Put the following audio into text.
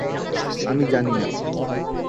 আমি জানি না।